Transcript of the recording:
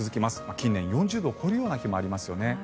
近年、４０度を超えるような日もありますよね。